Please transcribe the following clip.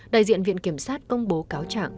đại diện viện kiểm sát công bố cáo trạng